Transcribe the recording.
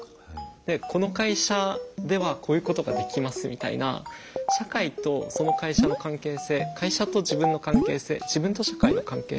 でこの会社ではこういうことができますみたいな社会とその会社の関係性会社と自分の関係性自分と社会の関係性。